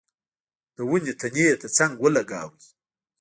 د ونې تنې ته څنګ ولګاوه.